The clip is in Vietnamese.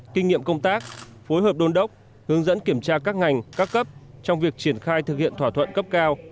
kinh nghiệm công tác phối hợp đôn đốc hướng dẫn kiểm tra các ngành các cấp trong việc triển khai thực hiện thỏa thuận cấp cao